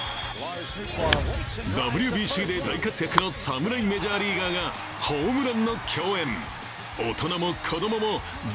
ＷＢＣで大活躍の侍メジャーリーガーがホームランの共演。